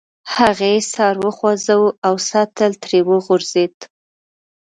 هغې سر وخوزاوه او سطل ترې وغورځید.